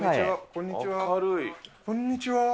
こんにちは。